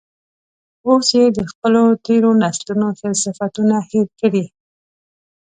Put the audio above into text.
اوس یې د خپلو تیرو نسلونو ښه صفتونه هیر کړي.